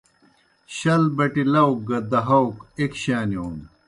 شل بٹیْ لاؤ گہ دہاؤک ایْک شانِیون